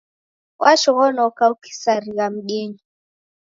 Washoghonoka ukisarigha mdinyi